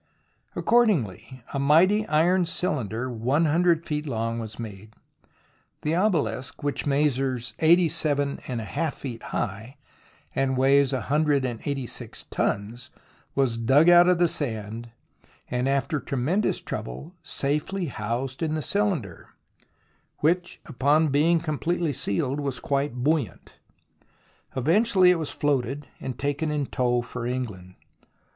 Accordingly a mighty iron cylinder lOO feet long was made. The obelisk, which measures 86^ feet high, and weighs i86 tons, was dug out of the sand, and after tremendous trouble safely housed in the cylinder, which, upon being com pletely sealed, was quite buoyant. Eventually it was floated, and taken in tow for England.